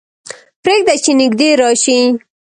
پرېږده چې نږدې راشي.